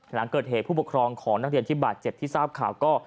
หลังเกิดเหตุผู้ปกครองของนักเรียนที่บาดเจ็บที่ทราบข่าวก็